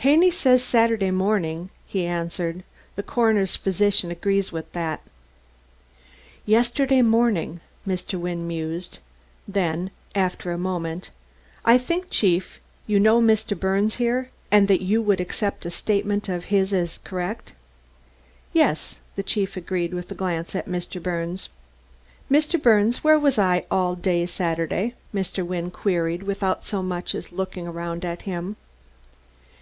"Haney says Saturday morning," he answered. "The coroner's physician agrees with that." "Yesterday morning," Mr. Wynne mused; then, after a moment: "I think, Chief, you know Mr. Birnes here? And that you would accept a statement of his as correct?" "Yes," the chief agreed with a glance at Mr. Birnes. "Mr. Birnes, where was I all day Saturday?" Mr. Wynne queried, without so much as looking around at him.